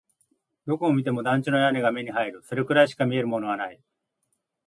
どこを見ても団地の屋根が目に入る。それくらいしか見えるものはない。